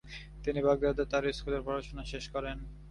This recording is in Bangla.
তিনি বাগদাদে তার স্কুলের পড়াশোনা শেষ করেন।